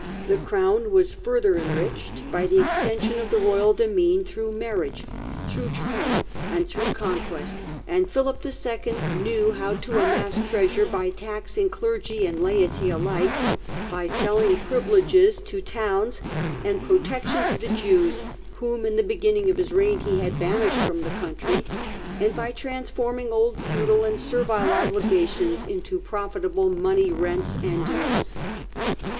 The crown was further enriched by the extension of the royal demesne, through marriage, through treaty, and through conquest, and Philip II. knew how to amass treasure by taxing clergy and laity alike, by selling privileges to towns, and pro tection to the Jews whom in the beginning of his reign he had banished from the country, and by transforming old feudal or servile obligations into profitable money rents and dues.